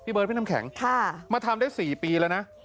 เบิร์พี่น้ำแข็งมาทำได้๔ปีแล้วนะ